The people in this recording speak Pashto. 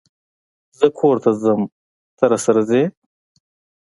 زه کور ته ځم ته، راسره ځئ؟